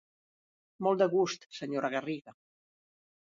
Molt de gust, senyora Garriga.